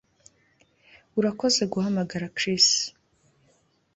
Urakoze guhamagara Chris